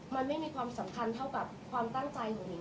มันไม่มีความสำคัญเท่ากับความตั้งใจของหิง